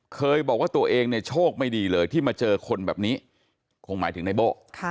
เคยบอกว่าตัวเองเนี่ยโชคไม่ดีเลยที่มาเจอคนแบบนี้คงหมายถึงในโบ้